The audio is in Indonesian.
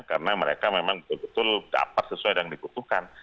karena mereka memang betul betul dapat sesuai dengan yang dikutukan